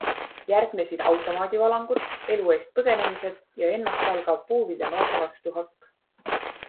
Järgnesid automaadivalangud, elu eest põgenemised ja ennastsalgav puuviljanoaga vastuhakk.